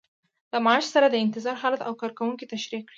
له معاش سره د انتظار حالت او کارکوونکي تشریح کړئ.